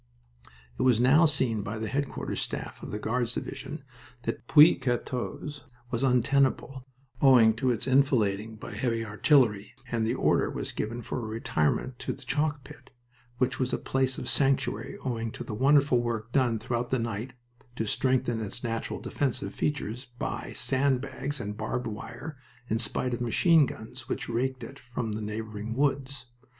It was now seen by the headquarters staff of the Guards Division that Puits 14 was untenable, owing to its enfilading by heavy artillery, and the order was given for a retirement to the chalk pit, which was a place of sanctuary owing to the wonderful work done throughout the night to strengthen its natural defensive features by sand bags and barbed wire, in spite of machine guns which raked it from the neighboring woods.